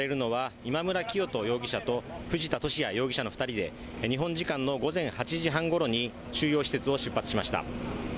今村磨人容疑者と藤田聖也容疑者の２人で日本時間の午前８時半ごろに収容施設を出発しました。